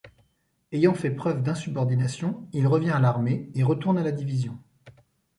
Ayant fait preuve d'insubordination, il revient à l'armée, et retourne à la division.